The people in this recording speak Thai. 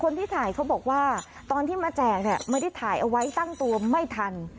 คนที่ถ่ายเขาบอกว่าตอนที่มาแจกเนี่ยไม่ได้ถ่ายเอาไว้ตั้งตัวไม่ทัน